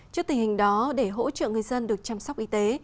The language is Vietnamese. trước tình hình đó để hỗ trợ người dân được chăm sóc y tế